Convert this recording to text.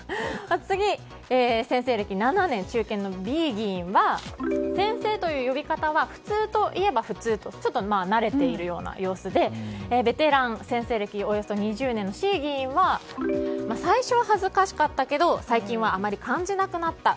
次、先生歴７年中堅のＢ議員は先生という呼び方は普通といえば普通と慣れているような様子でベテラン先生歴およそ２０年のＣ議員は最初は恥ずかしかったけど最近はあまり感じなくなった